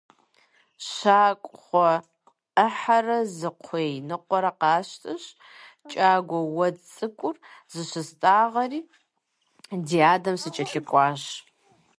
ЩӀакхъуэ Ӏыхьэрэ зы кхъуей ныкъуэрэ къасщтэщ, кӀагуэ уэд цӀыкӀур зыщыстӏагъэри ди адэм сыкӀэлъыкӀуащ.